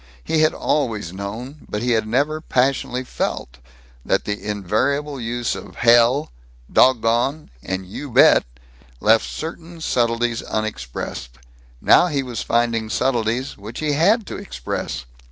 He had always known, but he had never passionately felt that the invariable use of "hell," "doggone," and "You bet!" left certain subtleties unexpressed. Now he was finding subtleties which he had to express.